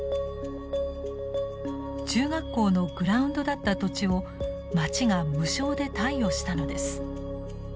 中学校のグラウンドだった土地を町が無償で貸与したのです。